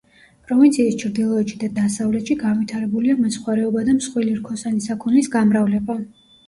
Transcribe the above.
პროვინციის ჩრდილოეთში და დასავლეთში განვითარებულია მეცხვარეობა და მსხვილი რქოსანი საქონლის გამრავლება.